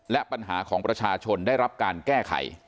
และปัญหาของประชาชนได้รับการแก้ไข